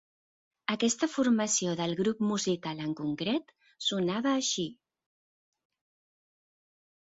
Aquesta formació del grup musical en concret sonava així.